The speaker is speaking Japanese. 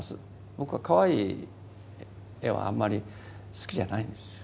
僕はかわいい絵はあんまり好きじゃないんですよ。